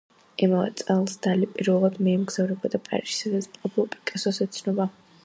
იმავე წელს, დალი პირველად მიემგზავრება პარიზში, სადაც პაბლო პიკასოს ეცნობა.